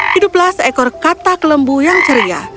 hiduplah seekor katak lembu yang ceria